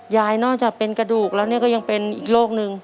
นอกจากเป็นกระดูกแล้วเนี่ยก็ยังเป็นอีกโรคนึง